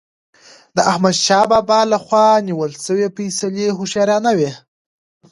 د احمدشاه بابا له خوا نیول سوي فيصلي هوښیارانه وي.